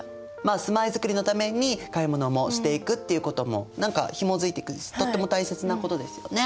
住まいづくりのために買い物もしていくっていうことも何かひもづいてくしとっても大切なことですよね。